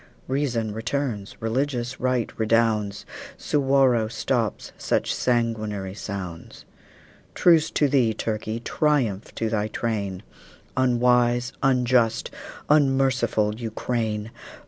Reason returns, religious right redounds, Suwarrow stops such sanguinary sounds. Truce to thee, Turkey! Triumph to thy train, Unwise, unjust, unmerciful Ukraine!